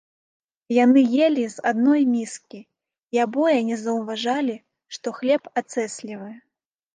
Яны елі з адной міскі, і абое не заўважалі, што хлеб ацеслівы.